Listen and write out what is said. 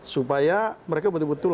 supaya mereka betul betul